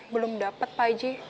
belum dapet pak ji